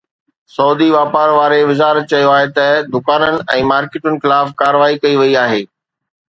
سعودي واپار واري وزارت چيو آهي ته دڪانن ۽ مارڪيٽن خلاف ڪارروائي ڪئي وئي آهي